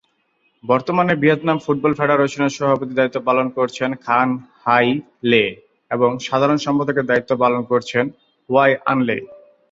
বর্তমানে Vietnam football ফেডারেশনের সভাপতির দায়িত্ব পালন করছেন খান হাই লে এবং সাধারণ সম্পাদকের দায়িত্ব পালন করছেন হোয়াই আন লে।